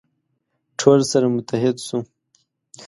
ټول سره متحد سو.